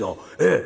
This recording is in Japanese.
ええ。